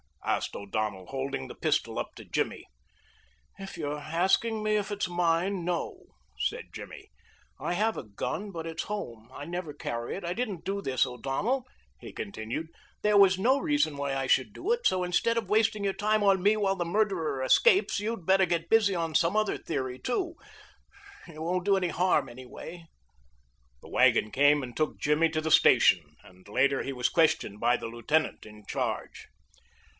asked O'Donnell, holding the pistol up to Jimmy. "If you're asking me if it's mine, no," said Jimmy. "I have a gun, but it's home. I never carry it. I didn't do this, O'Donnell," he continued. "There was no reason why I should do it, so instead of wasting your time on me while the murderer escapes you'd better get busy on some other theory, too. It won't do any harm, anyway." The wagon came and took Jimmy to the station, and later he was questioned by the lieutenant in charge.